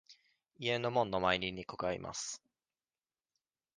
家の門の前に猫がいます。